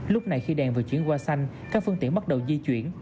lúc này khi đèn vừa chuyển qua xanh các phương tiện bắt đầu di chuyển